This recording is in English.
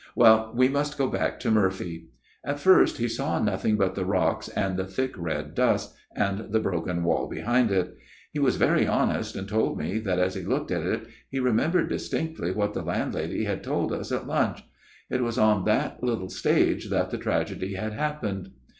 " Well, we must go back to Murphy. At first he saw nothing but the rocks, and the thick red dust, and the broken wall behind it. He was very honest, and told me that as he looked at it, he remem bered distinctly what the landlady had told us at lunch. It was on that little stage that the tragedy had happened.